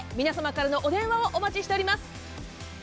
皆様からのお電話をお待ちしております。